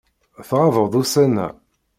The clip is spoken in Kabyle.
Tɣabeḍ ussan-a.